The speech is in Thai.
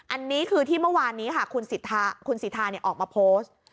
อันนี้คือที่เมื่อวานนี้ค่ะคุณสิทธาคุณสิทธาเนี่ยออกมาโพสต์